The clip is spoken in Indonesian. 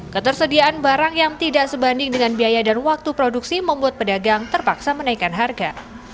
ketersediaan barang yang tidak sebanding dengan biaya dan waktu produksi membuat pedagang terpaksa menaikkan harga